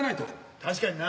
確かにな。